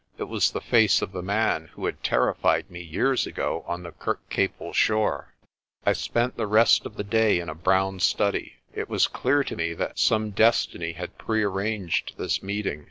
It was the face of the man who had terrified me years ago on the Kirkcaple shore. I spent the rest of the day in a brown study. It was clear to me that some destiny had prearranged this meeting.